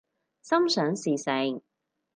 心想事成